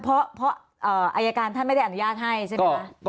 เพราะอายการท่านไม่ได้อนุญาตให้ใช่ไหมคะ